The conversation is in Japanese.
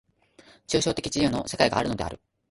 抽象的自由の世界があるのである。